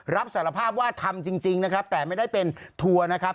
รับสารภาพว่าทำจริงนะครับแต่ไม่ได้เป็นทัวร์นะครับ